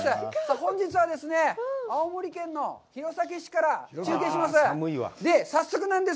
本日はですね、青森県の弘前市から中継します。